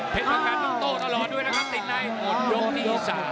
เพชรพังงานต้องโตตลอดด้วยนะครับติดไหนหมดยกที่๓